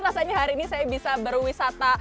rasanya hari ini saya bisa berwisata